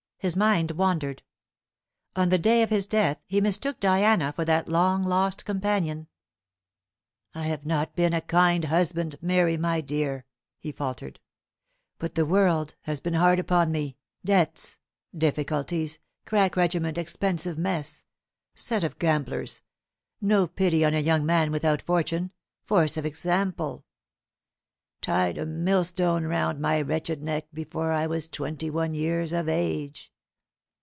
His mind wandered. On the day of his death he mistook Diana for that long lost companion. "I have not been a kind husband, Mary, my dear," he faltered "but the world has been hard upon me debts difficulties crack regiment expensive mess set of gamblers no pity on a young man without fortune force of example tied a millstone round my wretched neck before I was twenty one years of age."